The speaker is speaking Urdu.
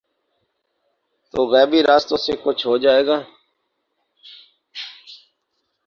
تو غیبی راستوں سے کچھ ہو جائے گا۔